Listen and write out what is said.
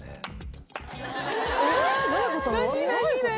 何？